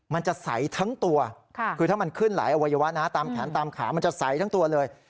มันจะใสทั้งตัวคือถ้ามันขึ้นหลายอวัยวะนะตามแขนตามขามันจะใสทั้งตัวเลย